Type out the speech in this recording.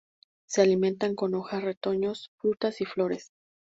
Se alimentan con hojas, retoños, frutas y flores.